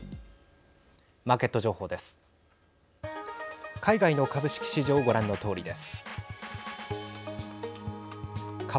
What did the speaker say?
マーケット情報です。